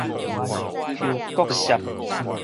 虯閣澀